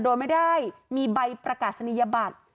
โดยไม่ได้มีใบประกาศนียบัตร